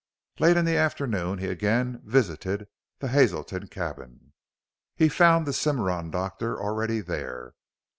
Late in the afternoon he again visited the Hazelton cabin. He found the Cimarron doctor already there.